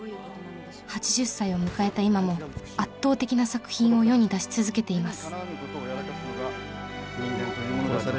８０歳を迎えた今も圧倒的な作品を世に出し続けています。